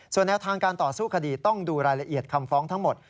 ส่วนแนวทางการต่อสู้คดีต้องดูรายละเอียดคำฟ้องทั้งหมด